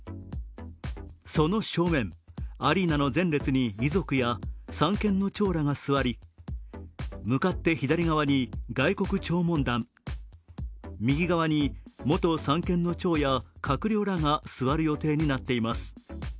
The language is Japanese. その正面、アリーナの前列に遺族や三権の長らが座り、向かって左側に外国弔問団、右側に元三権の長や閣僚らが座ることになっています。